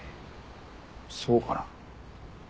そうかな。